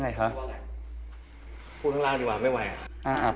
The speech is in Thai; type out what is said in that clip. ตัวพีราบ